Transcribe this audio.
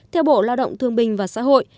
theo bộ lao động thương bình và xã hội